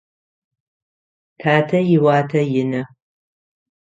Татэ иуатэ ины.